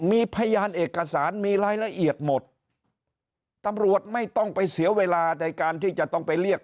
มีพยานเอกสารมีรายละเอียดหมดตำรวจไม่ต้องไปเสียเวลาในการที่จะต้องไปเรียก